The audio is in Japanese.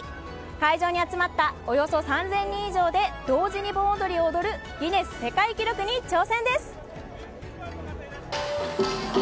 会場に集まったおよそ３０００人以上で同時に盆踊りを踊る、ギネス世界記録に挑戦です。